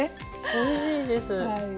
おいしいです。